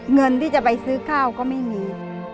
เงินที่จะไปซื้อข้าวก็ไม่มี